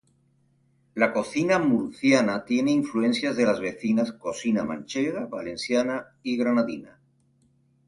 La cocina murciana tiene influencias de las vecinas cocina manchega, valenciana y granadina.